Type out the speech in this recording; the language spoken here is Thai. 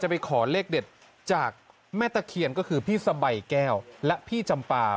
ไปขอเลขเด็ดจากแม่ตะเคียนก็คือพี่สะใบแก้วและพี่จำปา